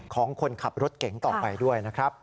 ของคนขับรถเก๋งต่อไปด้วยนะครับ